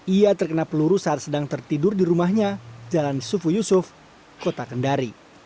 ia terkena peluru saat sedang tertidur di rumahnya jalan sufu yusuf kota kendari